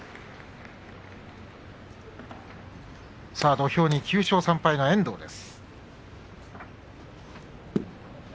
土俵に９勝３敗の遠藤です。